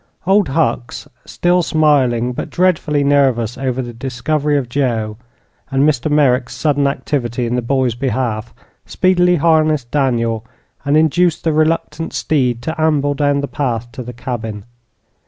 Old Hucks, still smiling, but dreadfully nervous over the discovery of Joe, and Mr. Merrick's sudden activity in the boy's behalf, speedily harnessed Daniel and induced the reluctant steed to amble down the path to the cabin.